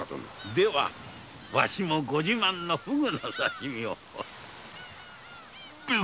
ではワシもご自慢のフグの刺身を。